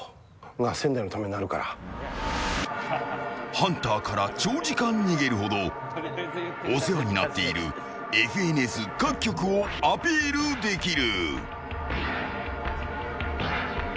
ハンターから長時間逃げるほどお世話になっているＦＮＳ各局をアピールできる。